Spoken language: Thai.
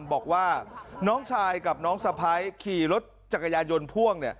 บอกว่าน้องชายกับน้องสะพ้ายขี่รถจักรยานยนต์พ่วง